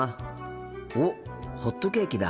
おっホットケーキだ。